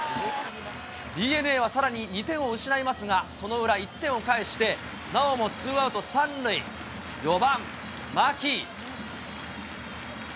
ＤｅＮＡはさらに２点を失いますが、その裏、１点を返してなおもツーアウト３塁、４番牧。